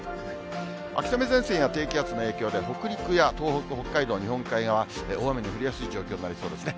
秋雨前線や低気圧の影響で、北陸や東北、北海道、日本海側、大雨の降りやすい状況になりそうですね。